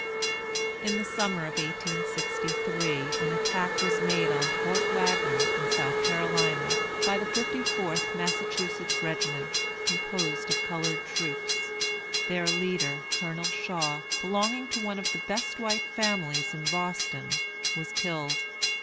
[In the summer of 1863 an attack was made on Fort Wagner, in South Carolina, by the 54th Massachusetts Regiment, composed of colored troops. Their leader, COLONEL SHAW, belonging to one of the best white families in Boston, was killed.